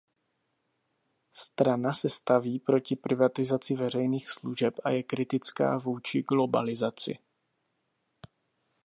Strana se staví proti privatizaci veřejných služeb a je kritická vůči globalizaci.